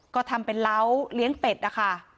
ก็ทำเป็นเล้าเลี้ยงเป็ดนะคะ